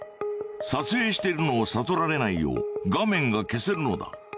撮影しているのを悟られないよう画面が消せるのだ。